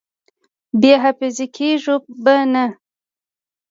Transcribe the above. بې حافظې کېږو به نه!